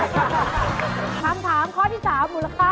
คำถามข้อที่๓มูลค่า๘๐๐๐บาท